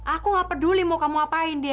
aku nggak peduli mau kamu ngapain dia